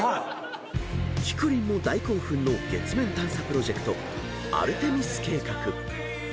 ［きくりんも大興奮の月面探査プロジェクトアルテミス計画］